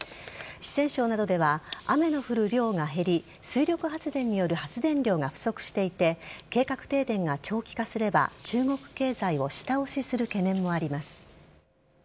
四川省などでは雨の降る量が減り水力発電による発電量が不足していて計画停電が長期化すれば中国経済を下押しする懸念もあります。